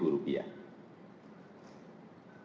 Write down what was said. yang diberikan sebesar rp enam ratus ribu